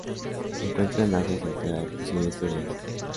Se encuentra en Asia central y sudeste de Asia.